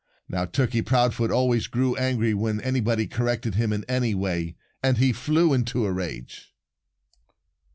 Now, Turkey Proudfoot always grew angry when anybody corrected him in any way. And he flew into a rage.